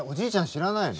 知らないの？